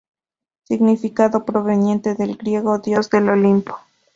Significado proveniente del griego: Dios del Olimpo.